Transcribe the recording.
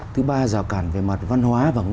thứ ba rào cản về mặt văn hóa